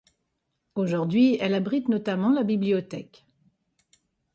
Aujourd'hui elle abrite notamment la Bibliothèque.